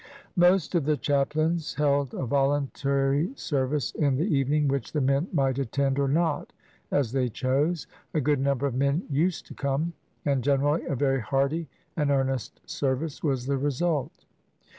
Most of the chaplains held a voluntary service in the evening, which the men might attend or not as they chose. A good number of men used to come ; and gener ally a very hearty and earnest service was the result.